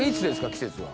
季節は。